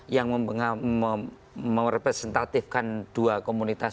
yang mempresentatifkan dua komunitas